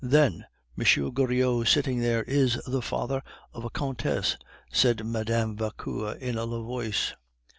"Then, M. Goriot sitting there is the father of a countess," said Mme. Vauquer in a low voice.